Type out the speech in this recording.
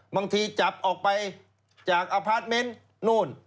บางทีจับออกไปจากพื้นที่นู้น